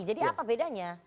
jadi apa bedanya